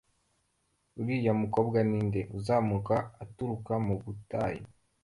Uriya mukobwa ni nde uzamuka aturuka mu butayu,